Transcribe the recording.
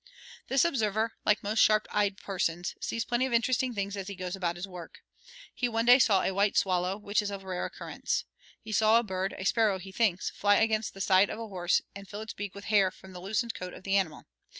This observer, like most sharp eyed persons, sees plenty of interesting things as he goes about his work. He one day saw a white swallow, which is of rare occurrence. He saw a bird, a sparrow he thinks, fly against the side of a horse and fill his beak with hair from the loosened coat of the animal.